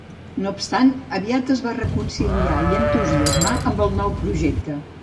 No obstant aviat es va reconciliar i entusiasmar amb el nou projecte.